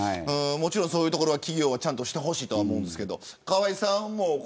もちろん、そういうところは企業はちゃんとしてほしいなと思うんですけど。